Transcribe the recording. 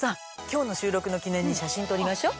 今日の収録の記念に写真撮りましょ！